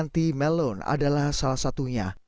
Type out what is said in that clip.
anti melon adalah salah satunya